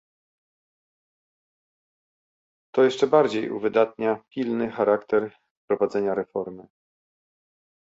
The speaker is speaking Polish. To jeszcze bardziej uwydatnia pilny charakter wprowadzenia reformy